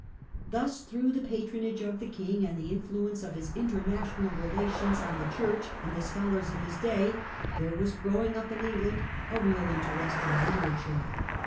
Thus through the patronage of the king, and the influence of his international relations on the church and the scholars of his day, there was growing up in Eng land a real interest in literature.